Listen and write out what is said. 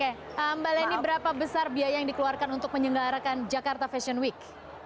oke mbak leni berapa besar biaya yang dikeluarkan untuk menyelenggarakan jakarta fashion week